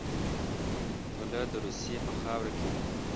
غله د روسیې په خاوره کې وو.